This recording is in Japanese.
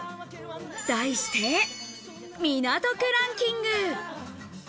題して、港区ランキング。